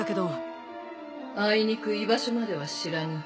あいにく居場所までは知らぬ。